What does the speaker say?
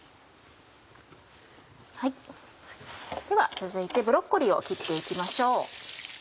では続いてブロッコリーを切って行きましょう。